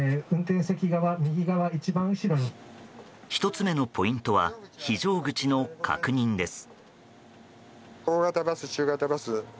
１つ目のポイントは非常口の確認です。